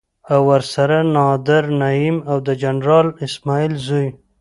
او ورسره نادر نعيم او د جنرال اسماعيل زوی.